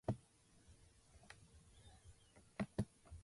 えぐい